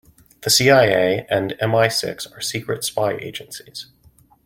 The CIA and MI-Six are secret spy agencies.